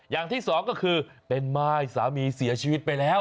อย่างที่สองก็คือเป็นม่ายสามีเสียชีวิตไปแล้ว